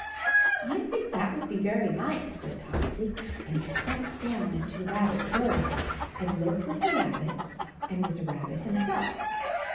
"I think that would be very nice," said Topsy, and he stepped down into the rabbit burrow and bved with the rabbits and was a rabbit himself.